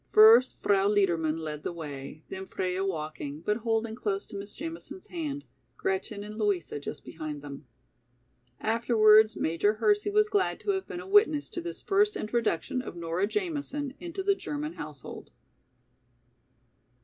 First Frau Liedermann led the way, then Freia walking, but holding close to Miss Jamison's hand, Gretchen and Louisa just behind them. Afterwards Major Hersey was glad to have been a witness to this first introduction of Nora Jamison, into the German household.